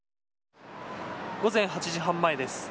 午前８時半前です。